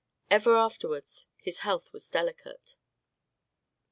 Ever afterwards his health was delicate.